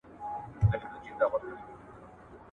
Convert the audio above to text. چي فطرتاً بد لوري ته اېل وي